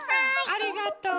ありがとう。